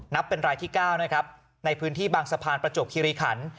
เป็นรายที่๙นะครับในพื้นที่บางสะพานประจวบคิริขัน